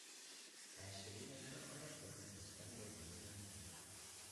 Első írása a Református Szemlében jelent meg.